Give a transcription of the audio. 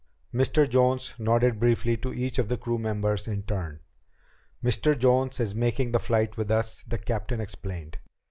Mr. Jones nodded briefly to each of the crew members in turn. "Mr. Jones is making the flight with us," the captain explained.